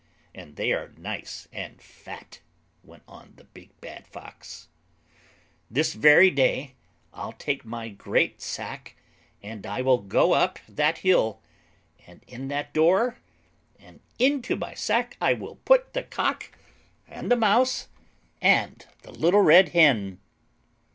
"And they are nice and fat," went on the big bad Fox. "This very day, I'll take my great sack, and I will go up that hill, and in at that door, and into my sack I will put the Cock, and the Mouse, and the little Red Hen."